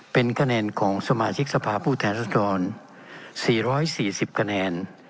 เป็นคะแนนของสมาชิกสภาพผู้แทนรัศดร๔๔๐คะแนน